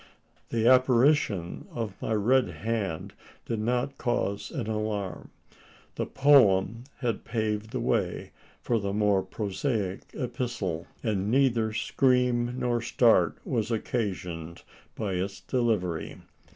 The apparition of my red hand did not cause an alarm. The poem had paved the way for the more prosaic epistle: and neither scream nor start was occasioned by its delivery.